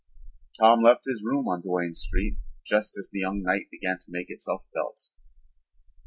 Tom left his room on Duane Street just as the young night began to make itself felt.